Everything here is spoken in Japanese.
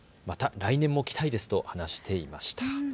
また来年も来たいですと話していました。